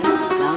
jangan lupa om eh